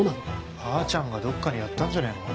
ばあちゃんがどっかにやったんじゃねえの？